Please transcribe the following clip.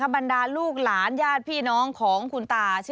บรรดาลูกหลานยาสีพี่น้องคุณตา